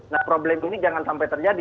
nah problem ini jangan sampai terjadi